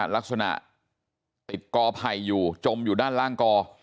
ลักษณะติดกอไผ่อยู่จมอยู่ด้านล่างกอ